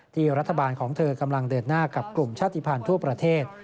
ที่รัฐบาลของเธอกำลังเดินหน้ากับกลุ่มชาติภัณฑ์ทั่วประเทศ